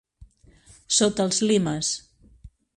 Sota els limes.